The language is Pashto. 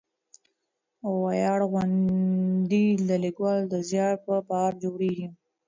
ویاړ غونډې د لیکوالو د زیار په پار جوړېږي.